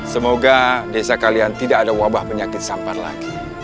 semoga desa kalian tidak ada wabah penyakit sampar lagi